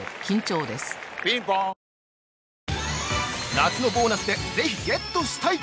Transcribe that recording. ◆夏のボーナスでぜひゲットしたい！